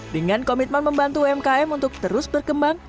dengan komitmen membantu umkm untuk terus berkembang